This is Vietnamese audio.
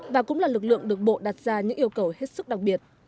và cũng là lực lượng được bộ đặt ra những yêu cầu hết sức đặc biệt